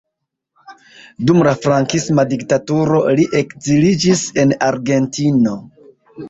Dum la frankisma diktaturo li ekziliĝis en Argentino.